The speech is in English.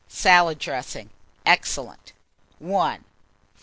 SALAD DRESSING (Excellent). I.